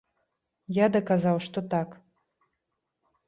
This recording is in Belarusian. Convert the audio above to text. Я даказаў, што так.